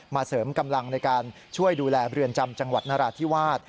เสริมกำลังในการช่วยดูแลเรือนจำจังหวัดนราธิวาส